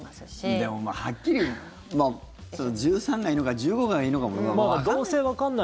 でも、はっきり１３がいいのか１５がいいのかもわかんない。